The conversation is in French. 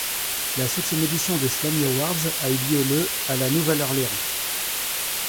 La septième édition des Slammy Awards a eu lieu le à la Nouvelle Orléans.